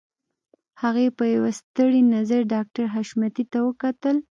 هغې په يوه ستړي نظر ډاکټر حشمتي ته وکتل.